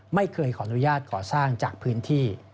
ไม่เคยขออนุญาตก่อสร้างจากพื้นที่